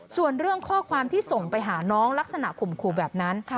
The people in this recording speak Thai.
ส่วนเรื่องข้อความที่ส่งไปหาน้องลักษณะข่มขู่แบบนั้น